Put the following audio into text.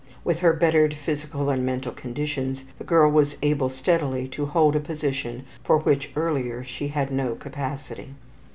With her bettered physical and mental conditions, the girl was able steadily to hold a position for which earlier she had no capacity.